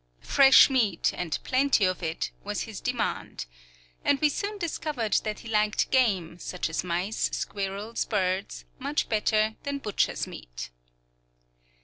Fresh meat, and plenty of it, was his demand. And we soon discovered that he liked game, such as mice, squirrels, birds, much better than butcher's meat.